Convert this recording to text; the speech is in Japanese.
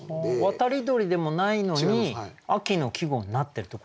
渡り鳥でもないのに秋の季語になってると。